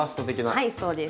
はいそうです。